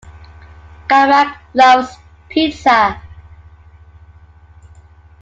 Carmack loves pizza.